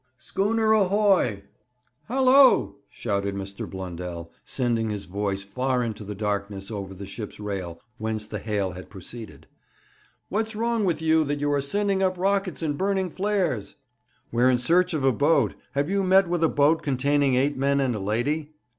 'Schooner ahoy!' 'Hallo!' shouted Mr. Blundell, sending his voice far into the darkness over the ship's rail, whence the hail had proceeded. 'What's wrong with you that you are sending up rockets and burning flares?' 'We are in search of a boat. Have you met with a boat containing eight men and a lady?'